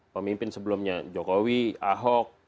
pemimpin sebelumnya jokowi ahok